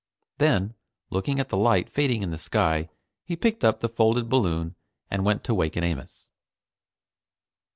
Then, looking at the light fading from the sky, he picked up the folded balloon and went to waken Amos.